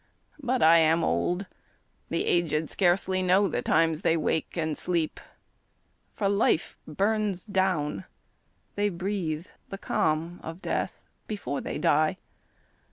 But I am old; the aged scarcely know The times they wake and sleep, for life burns down; They breathe the calm of death before they die.